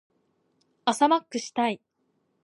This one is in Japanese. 朝マックしたい。